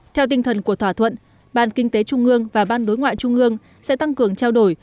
theo tinh thần của thỏa thuận ban kinh tế trung ương và ban đối ngoại trung ương sẽ tăng cường trao đổi